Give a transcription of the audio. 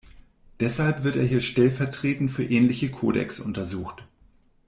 Deshalb wird er hier stellvertretend für ähnliche Codecs untersucht.